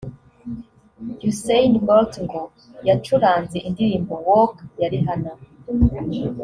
Usain Bolt ngo yacuranze indirimbo ‘Work’ ya Rihanna